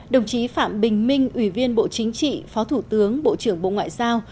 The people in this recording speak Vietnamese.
đồng chí phạm bình minh ủy viên bộ chính trị phó thủ tướng bộ trưởng bộ ngoại giao